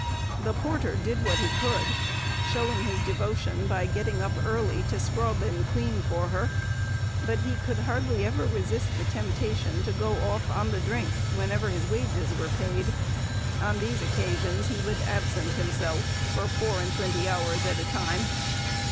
The porter did what he could, showing his devotion by getting up early to scrub and clean for her; but he could hardly ever resist the temptation to go off "on the drink" whenever his wages were paid; on these occasions he would absent himself for four and twenty hours at a time.